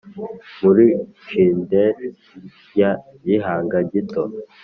muri cinder ya gihanga gito,